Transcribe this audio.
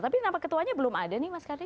tapi kenapa ketuanya belum ada nih mas kadi